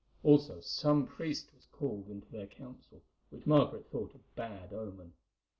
Also, some priest was called into their council, which Margaret thought a bad omen.